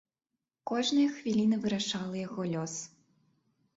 Кожная хвіліна вырашала яго лёс.